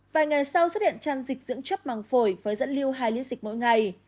vài ngày sau xuất hiện trăn dịch dưỡng chấp màng phổi với dẫn liêu hai liên dịch mỗi ngày